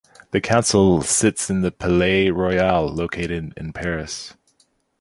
The Council sits in the Palais Royal located in Paris.